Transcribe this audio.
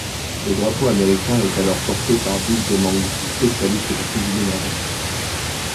Le drapeau américain est alors porté par Bill Demong, spécialiste du combiné nordique.